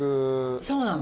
そうなの？